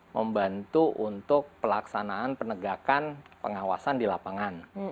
membantu untuk pelaksanaan penegakan pengawasan di lapangan